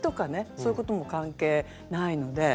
そういうことも関係ないので。